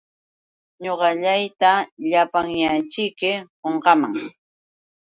Ñuqallayta llapanñaćhiki qunqaaman.